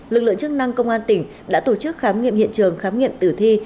lực lượng chức năng công an tỉnh đã tổ chức khám nghiệm hiện trường khám nghiệm tử thi